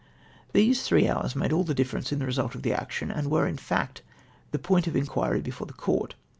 These three hours made all the difference in the result of the action, and were in fact the point of in quiry before the court.